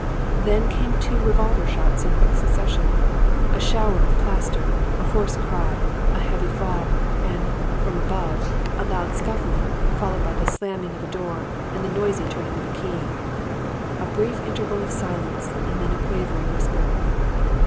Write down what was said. Then came two revolver shots in quick succession, a shower of plaster, a hoarse cry, a heavy fall, and, from above, a loud scuffling followed by the slamming of a door and the noisy turning of a key; a brief interval of silence and then a quavering whisper.